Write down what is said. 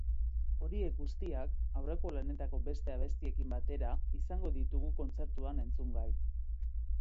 Horiek guztiak, aurreko lanetako beste abestiekin batera, izango ditugu kontzertuan entzungai.